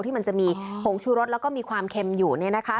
ที่มันจะมีผงชูรสแล้วก็มีความเค็มอยู่